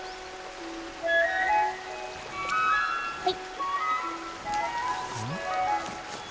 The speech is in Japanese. はい。